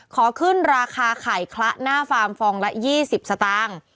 ขอขึ้นราคาไข่คละหน้าฟาร์มฟองละ๒๐สตางค์